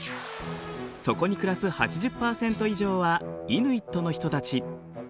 そこに暮らす８０％以上はイヌイットの人たち。